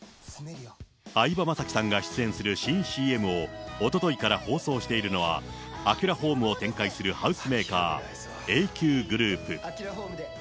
相葉雅紀さんが出演する新ＣＭをおとといから放送しているのは、アキュラホームを展開するハウスメーカー、ＡＱＧｒｏｕｐ。